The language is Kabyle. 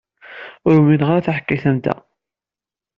Ur umineɣ taḥkayt am ta.